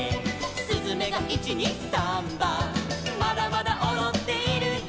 「すずめが１・２・サンバ」「まだまだおどっているよ」